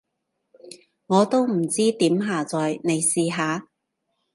我都唔知點下載，你試下？